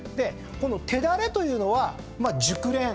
この手練というのは熟練。